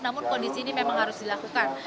namun kondisi ini memang harus dilakukan